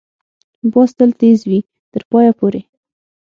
باز تل تېز وي، تر پایه پورې